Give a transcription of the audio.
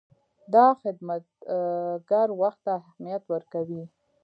دا خدمتګر وخت ته اهمیت ورکوي.